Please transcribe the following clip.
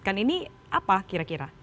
ini apa kira kira